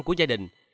của gia đình